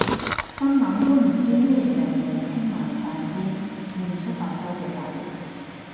心諗都唔知咩人嚟傾埋晒啲亂七八糟嘅偈